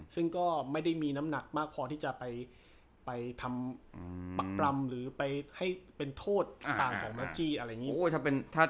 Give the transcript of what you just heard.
ซึ่งก็ไม่ได้มีน้ำหนักมากพอที่จะไปไปทำปรำหรือไปให้เป็นโทษขึงต่างของมอจจี้